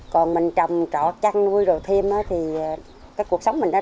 còn mình trồng trỏ trăng nuôi rồi thêm thì cuộc sống mình đã